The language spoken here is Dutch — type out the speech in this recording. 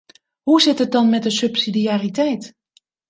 Hoe zit het dan met de subsidiariteit?